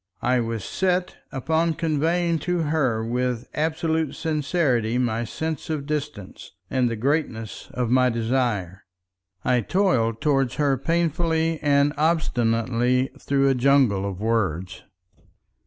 I was set upon conveying to her with absolute sincerity my sense of distance, and the greatness of my desire. I toiled toward her painfully and obstinately through a jungle of words.